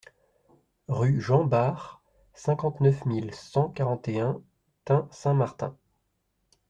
Rue Jean Bar, cinquante-neuf mille cent quarante et un Thun-Saint-Martin